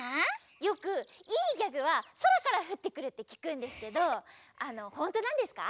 よくいいギャグはそらからふってくるってきくんですけどあのほんとなんですか？